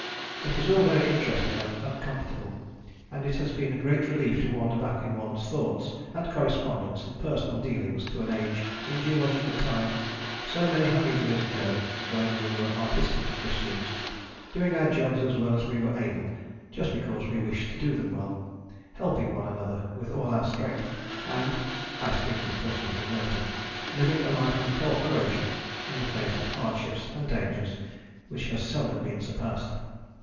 It is all very interesting and uncomfortable, and it has been a great relief to wander back in one's thoughts and correspondence and personal dealings to an age in geological time, so many hundred years ago, when we were artistic Christians, doing our jobs as well as we were able just because we wished to do them well, helping one another with all our strength, and (I speak with personal humility) living a life of co operation, in the face of hardships and dangers, which has seldom been surpassed.